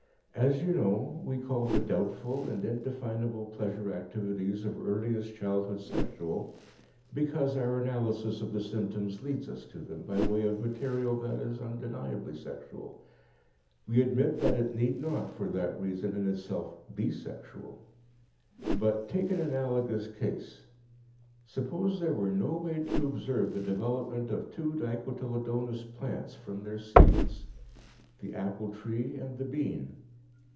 As you know, we call the doubtful and indefinable pleasure activities of earliest childhood sexual because our analysis of the symptoms leads us to them by way of material that is undeniably sexual. We admit that it need not for that reason in itself be sexual. But take an analogous case. Suppose there were no way to observe the development of two dicotyledonous plants from their seeds the apple tree and the bean.